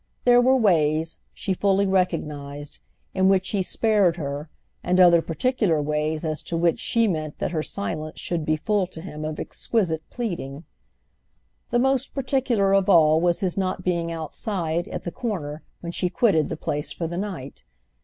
There were ways, she fully recognised, in which he spared her, and other particular ways as to which she meant that her silence should be full to him of exquisite pleading. The most particular of all was his not being outside, at the corner, when she quitted the place for the night.